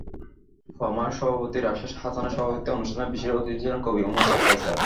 প্রমার সভাপতি রাশেদ হাসানের সভাপতিত্বে অনুষ্ঠানে বিশেষ অতিথি ছিলেন কবি ওমর কায়সার।